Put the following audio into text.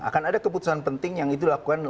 akan ada keputusan penting yang dilakukan